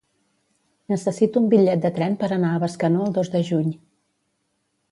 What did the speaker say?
Necessito un bitllet de tren per anar a Bescanó el dos de juny.